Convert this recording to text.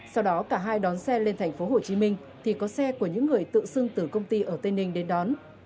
sau đó cả hai đón xe lên thành phố hồ chí minh thì có xe của những người tự xưng từ công ty ở tây ninh đến đón